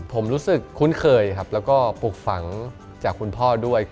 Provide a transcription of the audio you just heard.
ผมรู้สึกคุ้นเคยครับแล้วก็ปลูกฝังจากคุณพ่อด้วย